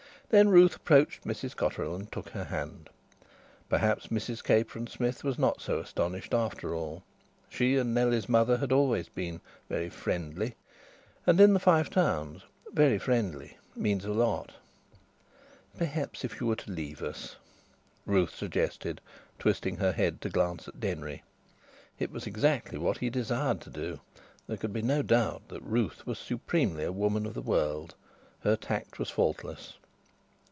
Then Ruth approached Mrs Cotterill and took her hand. Perhaps Mrs Capron Smith was not so astonished after all. She and Nellie's mother had always been "very friendly." And in the Five Towns "very friendly" means a lot. "Perhaps if you were to leave us," Ruth suggested, twisting her head to glance at Denry. It was exactly what he desired to do. There could be no doubt that Ruth was supremely a woman of the world. Her tact was faultless.